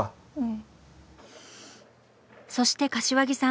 そして柏木さん